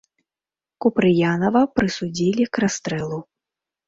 Купрыянава прысудзілі к расстрэлу.